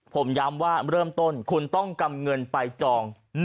ผมย้ำว่าเริ่มต้นคุณต้องกำเงินไปจอง